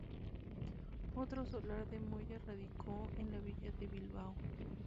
Otro solar de Moya radicó en la villa de Bilbao.